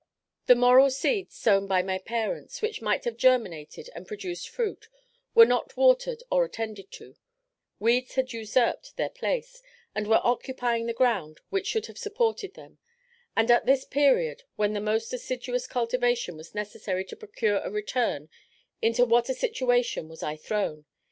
The moral seeds sown by my parents, which might have germinated and produced fruit, were not watered or attended to; weeds had usurped their place, and were occupying the ground which should have supported them; and at this period, when the most assiduous cultivation was necessary to procure a return, into what a situation was I thrown?